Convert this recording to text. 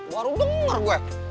baru dengar gue